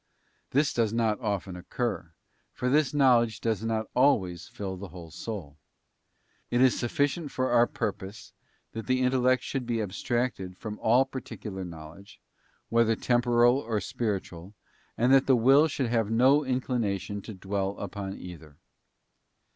This does not often occur, for this knowledge does not always fill the whole soul. It is sufficient for our purpose that the intellect should be abstracted from all particular knowledge, whether temporal or spiritual, and that the will should have no in clination to dwell upon either.